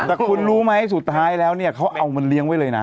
แต่คุณรู้ไหมสุดท้ายแล้วเนี่ยเขาเอามันเลี้ยงไว้เลยนะ